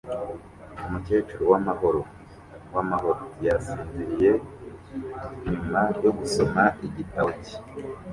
Umukecuru wamahoro wamahoro yasinziriye nyuma yo gusoma igitabo cye